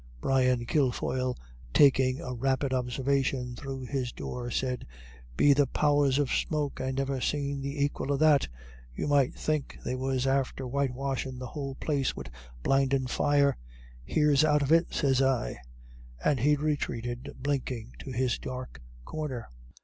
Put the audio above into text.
Brian Kilfoyle, taking a rapid observation through his door, said, "Be the powers of smoke, I never seen the aquil of that. You might think they was after whitewashin' the whole place wid blindin' fire. Here's out of it, sez I." And he retreated blinking to his dark corner.